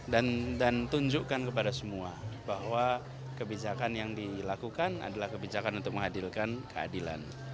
dan tunjukkan kepada semua bahwa kebijakan yang dilakukan adalah kebijakan untuk menghadirkan keadilan